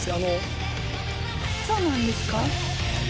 そうなんです。